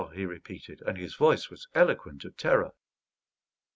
_" he repeated, and his voice was eloquent of terror.